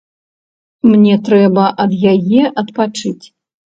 Мне трэба ад яе адпачыць.